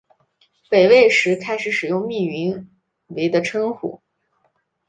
北魏时开始使用密云为的称谓。